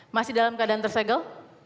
masih dalam keadaan tersegel